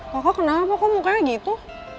kok kenapa kok mukanya gitu